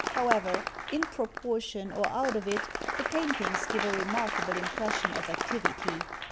However, in proportion or out of it, the paint ings give a remarkable impression of activity.